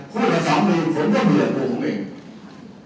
พูดกับสองคนผมก็เหมือนตัวผมเอง